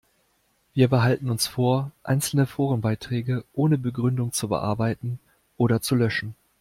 Wir behalten uns vor, einzelne Forenbeiträge ohne Begründung zu bearbeiten oder zu löschen.